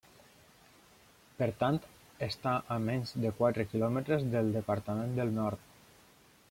Per tant, està a menys de quatre quilòmetres del departament del Nord.